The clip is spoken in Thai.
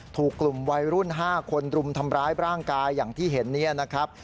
ถูกกลุ่มวัยรุ่น๕คนรุมทำร้ายร่างกายอย่างที่เห็นเนี่ยนะครับ